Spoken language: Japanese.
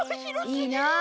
いいなあ。